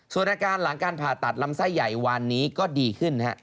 ส่วนอาการหลังการผ่าตัดลำไส้ใหญ่วันนี้ก็ดีขึ้น